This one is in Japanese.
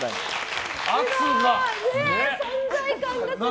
存在感がすごい！